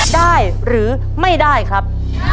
ได้หรือไม่ได้ครับ